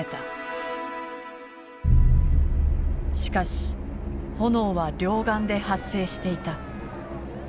しかし炎は両岸で発生していた。